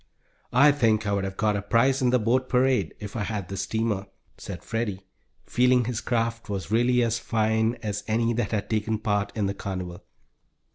"I think I would have got a prize in the boat parade if I had this steamer," said Freddie, feeling his craft was really as fine as any that had taken part in the carnival.